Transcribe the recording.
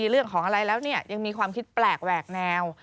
เรื่องของอะไรแล้วยังมีความคิดแปลกแหวกแนว